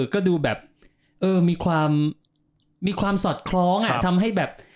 ก็ดูแบบมีความสอดคล้องทำให้แบบ